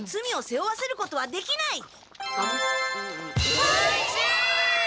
おいしい！